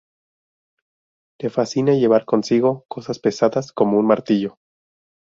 Le fascina llevar consigo cosas pesadas como un martillo.